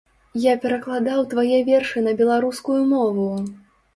Я перакладаў твае вершы на беларускую мову!